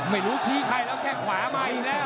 ไม่รู้ชี้ใครแล้วแค่ขวามาอีกแล้ว